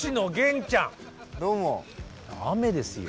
雨ですよ。